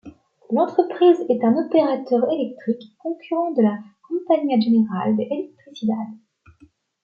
L'entreprise est un opérateur électrique, concurrent de la Compañia General de Electricidad.